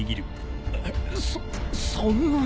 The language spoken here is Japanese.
そそんな。